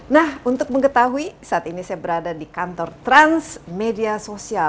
nah untuk mengetahui saat ini saya berada di kantor transmedia sosial